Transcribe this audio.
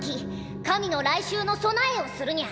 神の来襲の備えをするニャ。